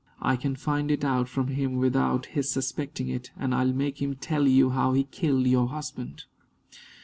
I can find it out from him without his suspecting it, and I'll make him tell you how he killed your husband."